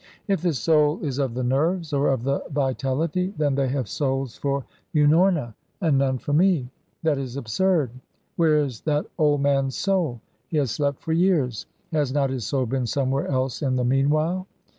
If the soul is of the nerves or of the vitality, then they have souls for Unorna, and none for me. That is absurd. Where is that old man's soul? He has slept for years. Has not his soul been somewhere else in the meanwhile?